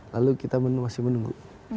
lalu kita masih menunggu